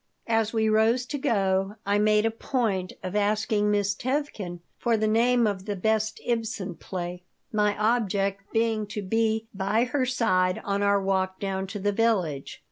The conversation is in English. As we rose to go I made a point of asking Miss Tevkin for the name of the best Ibsen play, my object being to be by her side on our walk down to the village.